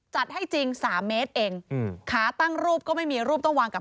จัดให้จริงสามเมตรเองขาตั้งรูปก็ไม่มีรูปต้องวางกับ